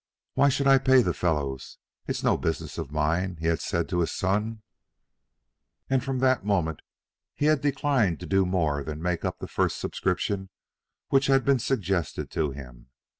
"Why should I pay the fellows? It's no business of mine," he had said to his son. And from that moment he had declined to do more than make up the first subscription which had been suggested to him.